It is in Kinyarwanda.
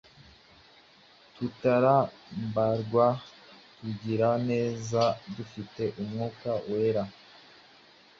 tutarambirwa, tugira neza, dufite Umwuka Wera,